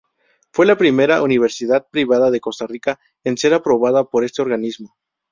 Fue la primera universidad privada de Costa Rica en ser aprobada por este organismo.